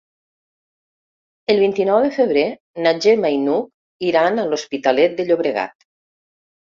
El vint-i-nou de febrer na Gemma i n'Hug iran a l'Hospitalet de Llobregat.